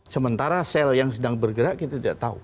sementara sel yang sedang bergerak kita tidak tahu